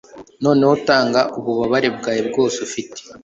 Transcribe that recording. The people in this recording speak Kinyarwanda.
Noneho tanga ububabare bwawe bwose ufite